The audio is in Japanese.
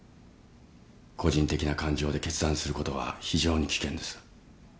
個人的な感情で決断することは非常に危険です。